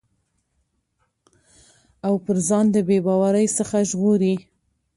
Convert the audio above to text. او پر ځان د بې باورٸ څخه ژغوري